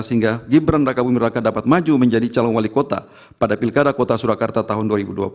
sehingga gibran raka buming raka dapat maju menjadi calon wali kota pada pilkada kota surakarta tahun dua ribu dua puluh